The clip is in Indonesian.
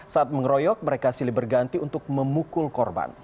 saat mengeroyok mereka silih berganti untuk memukul korban